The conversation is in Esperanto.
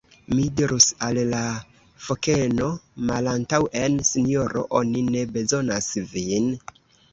"Mi dirus al la fokeno: 'Malantaŭen Sinjoro! oni ne bezonas vin.'"